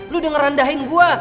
lu udah ngerandahin gua